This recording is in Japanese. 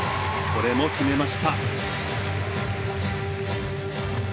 これも決めました。